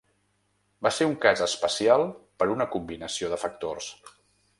Va ser un cas especial per una combinació de factors.